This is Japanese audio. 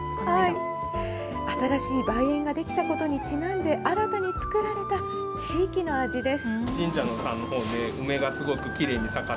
新しい梅園が出来たことにちなんで、新たに作られた地域の味です。